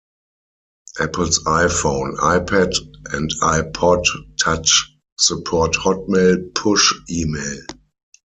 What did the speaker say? Apple's iPhone, iPad and iPod Touch support Hotmail push email.